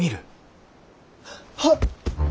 はっ！